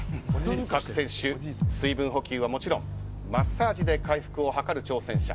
各選手、水分補給はもちろんマッサージで回復を図る挑戦者。